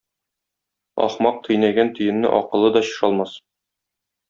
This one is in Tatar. Ахмак төйнәгән төенне акыллы да чишә алмас.